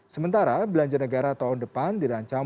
sementara belanja negara tahun depan dirancang